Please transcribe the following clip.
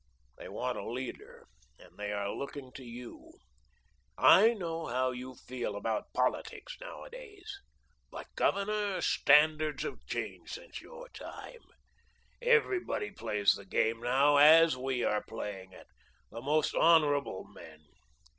They want a leader, and they are looking to you. I know how you feel about politics nowadays. But, Governor, standards have changed since your time; everybody plays the game now as we are playing it the most honourable men.